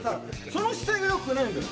その姿勢がよくないんだよ。